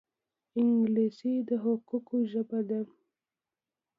انګلیسي د حقوقو ژبه ده